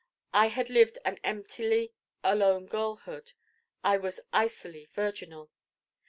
I had lived an emptily alone girlhood. I was icily virginal.